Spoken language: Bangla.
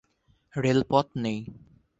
রেল পথ নেই।